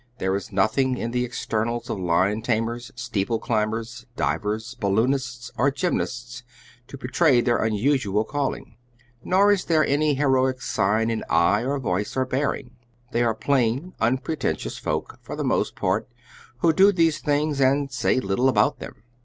There is nothing in the externals of lion tamers, steeple climbers, divers, balloonists, or gymnasts to betray their unusual calling. Nor is there any heroic sign in eye or voice or bearing. They are plain, unpretentious folk, for the most part, who do these things and say little about them.